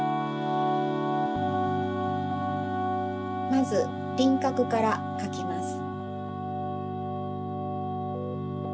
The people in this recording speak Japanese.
まずりんかくからかきます。